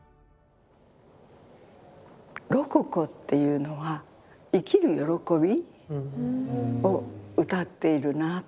ロココっていうのは生きる喜びをうたっているなぁと。